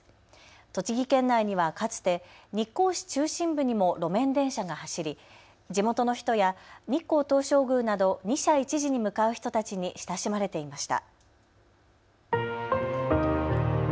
栃木県内にはかつて日光市中心部にも路面電車が走り地元の人や日光東照宮など二社一寺に向かう人たちに親しまれていました。